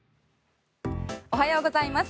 おはようございます。